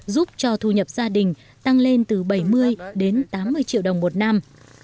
giúp cho thu nhập gia đình tăng lên từ bảy mươi đến tám mươi triệu đồng một năm